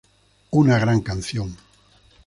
Una gran canción".